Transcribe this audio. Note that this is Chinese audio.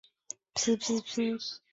米朗多布尔纽纳人口变化图示